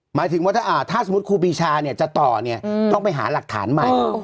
หมายถึงว่าถ้าสมมุติครูปีชาจะต่อเนี่ยต้องไปหาหลักฐานใหม่